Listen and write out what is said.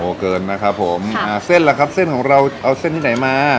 เกินนะครับผมอ่าเส้นล่ะครับเส้นของเราเอาเส้นที่ไหนมา